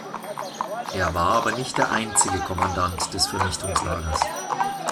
Er war aber nicht der einzige Kommandant des Vernichtungslagers.